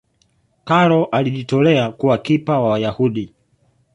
karol alijitolea kuwa kipa wa Wayahudi